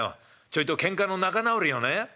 ちょいとけんかの仲直りをねうん。